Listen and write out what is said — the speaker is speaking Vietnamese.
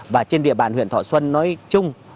và trên địa bàn huyện thọ xuân nói chung